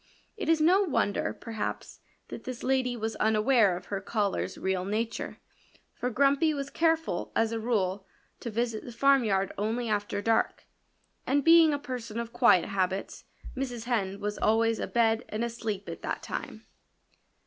It is no wonder, perhaps, that this lady was unaware of her caller's real nature. For Grumpy was careful, as a rule, to visit the farmyard only after dark. And being a person of quiet habits Mrs. Hen was always abed and asleep at that time.